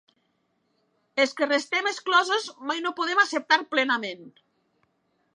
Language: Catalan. I els que restem exclosos mai no ho podem acceptar plenament.